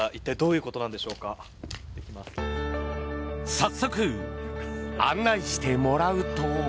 早速、案内してもらうと。